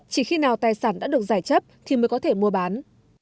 chỉ khi nào tài sản đã được giải chấp thì mới có thể mua bán